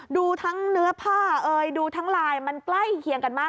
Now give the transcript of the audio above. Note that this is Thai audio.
ดูทั้งเนื้อผ้าเอ่ยดูทั้งลายมันใกล้เคียงกันมาก